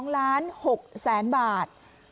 ๒๖ล้านบาท